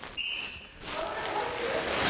体に入ってないじゃない。